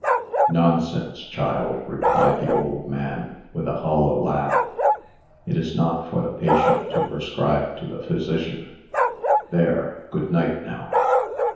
"Nonsense, child!" replied the old man, with a hollow laugh. "It is not for the patient to prescribe to the physician. There, good night, now."